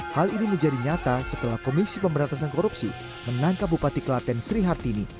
hal ini menjadi nyata setelah komisi pemberantasan korupsi menangkap bupati kelaten sri hartini